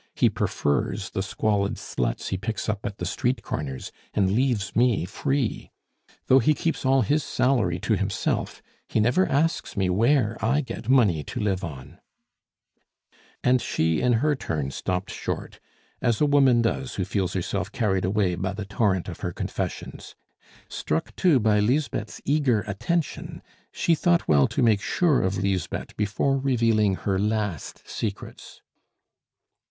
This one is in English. He prefers the squalid sluts he picks up at the street corners, and leaves me free. Though he keeps all his salary to himself, he never asks me where I get money to live on " And she in her turn stopped short, as a woman does who feels herself carried away by the torrent of her confessions; struck, too, by Lisbeth's eager attention, she thought well to make sure of Lisbeth before revealing her last secrets.